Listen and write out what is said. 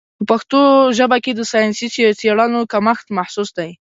په پښتو ژبه د ساینسي څېړنو کمښت محسوس دی.